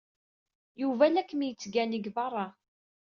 Yuba la kem-yettgani deg beṛṛa.